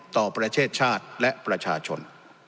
ต่อประเทศชาติและประชาชน